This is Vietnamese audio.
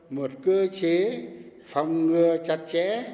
một cơ chế phòng ngừa chặt chẽ